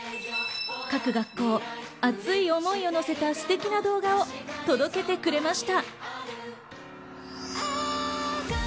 各学校、熱い思いを乗せたすてきな動画を届けてくれました。